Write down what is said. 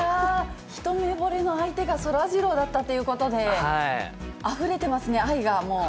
一目ぼれの相手がそらジローだったということで、あふれてますね、愛が、もう。